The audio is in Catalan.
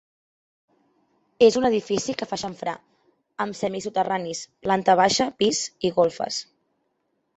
És un edifici que fa xamfrà, amb semisoterranis, planta baixa, pis i golfes.